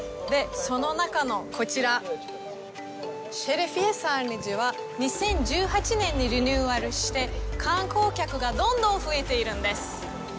その中のこちらセレフィイェサルヌジは２０１８年にリニューアルして観光客がどんどん増えているんです。